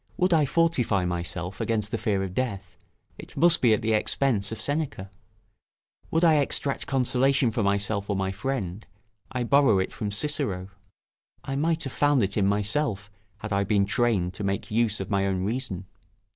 Would I fortify myself against the fear of death, it must be at the expense of Seneca: would I extract consolation for myself or my friend, I borrow it from Cicero. I might have found it in myself, had I been trained to make use of my own reason.